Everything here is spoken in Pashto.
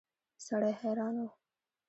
سړی حیران و.